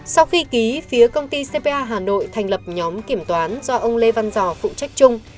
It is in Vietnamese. sau khi ký phía công ty cpa hà nội thành lập nhóm kiểm toán do ông lê văn giò phụ trách chung